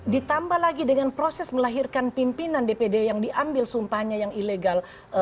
ditambah lagi dengan proses melahirkan pimpinan dpd yang diambil sumpahnya yang ilegal